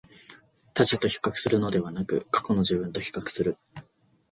他者と比較するのではなく、過去の自分と比較する